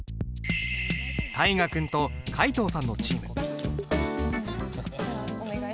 大河君と皆藤さんのチーム。